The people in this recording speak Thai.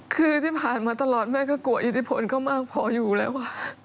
คือที่ผ่านมาตลอดแม่ก็กลัวอิทธิพลเขามากพออยู่แล้ว